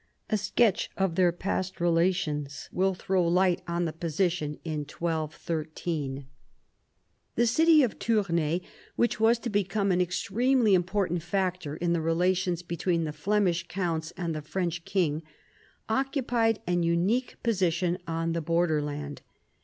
A sketch of their past relations will throw light on the position in 1213. iv BOUVINES 95 The city of Tournai, which was to become an extremely important factor in the relations between the Flemish counts and the French king, occupied an unique position on the borderland.